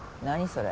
それ。